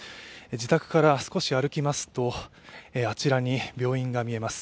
自宅から少し歩きますと、あちらに病院が見えます。